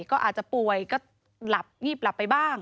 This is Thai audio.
ก็อาจจะป่วยก็หลับงีบหลับไปบ้าง